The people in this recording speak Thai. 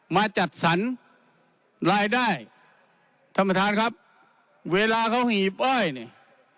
มาจัดสรรรายได้ท่านประธานครับเวลาเขาหีบอ้อยเนี่ย